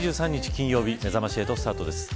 金曜日めざまし８スタートです。